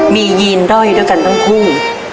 มียีนด้อยด้วยกันทั้งคู่